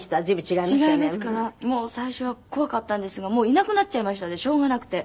違いますからもう最初は怖かったんですがいなくなっちゃいましたんでしょうがなくて。